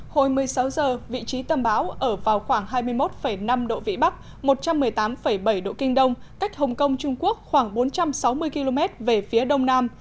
hồi một mươi sáu giờ vị trí tâm bão ở vào khoảng hai mươi một năm độ vĩ bắc một trăm một mươi tám bảy độ kinh đông cách hồng kông trung quốc khoảng bốn trăm sáu mươi km về phía đông nam